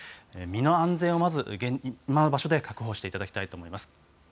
身の安全をまず、確保していただきたいと思います。